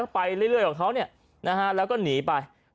ไปเรื่อยโน้นเขานะครับ